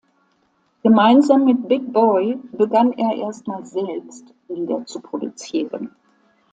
Gemeinsam mit Big Boi begann er erstmals selbst Lieder zu produzieren.